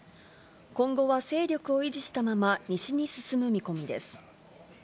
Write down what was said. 今後は勢力を維持したまま、西に進む見込みです。